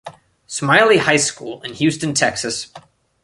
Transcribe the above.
Smiley High School in Houston, Texas.